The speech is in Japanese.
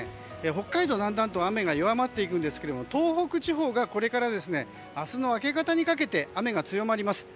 北海道、だんだんと雨が弱まっていくんですが東北地方がこれから明日の明け方にかけて雨が強まります。